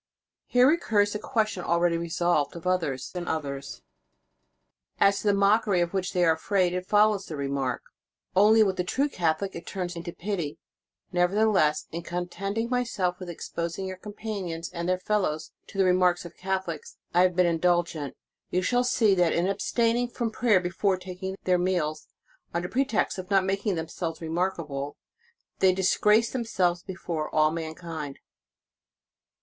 Here recurs the question already resolved of others and others. As to the mockery of which they are afraid, it follows the remark. Only with the true Catholic it is turned into pity. Never theless, in contenting myself with exposing your companions and their fellows to the remarks of Catholics, I have been indulgent. You shall see that in abstaining from prayer before taking their meals, under pretext of not making themselves remarkable, they disgrace themselves before all mankind.